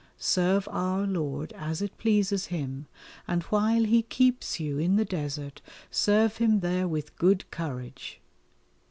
Serve Our Lord as it pleases Him, and while He keeps you in the desert serve Him there with good courage.